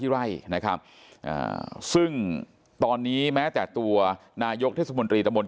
ไร่นะครับซึ่งตอนนี้แม้แต่ตัวนายกเทศมนตรีตะมนต